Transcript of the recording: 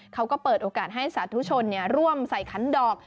เขาก็เปิดโอกาสให้สาธุชนร่วมใส่ขันดอก